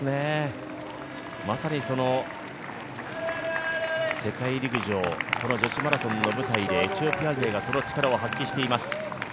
まさにその世界陸上この女子マラソンの舞台でエチオピア勢がその力を発揮しています。